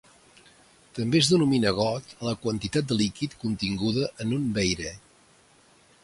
També es denomina got a la quantitat de líquid continguda en un veire.